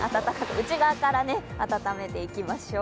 内側から温めていきましょう。